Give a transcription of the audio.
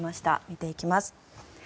見ていきます。